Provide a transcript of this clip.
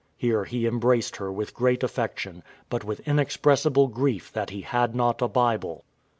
[Here he embraced her with great affection, but with inexpressible grief that he had not a Bible.